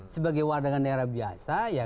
sebagai warga negara biasa